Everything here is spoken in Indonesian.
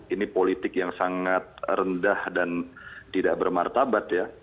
ini politik yang sangat rendah dan tidak bermartabat ya